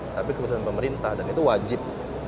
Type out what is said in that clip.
tapi keputusan pemerintah dan itu wajib